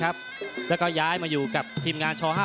แล้วก็ย้ายมาอยู่กับทีมงานช๕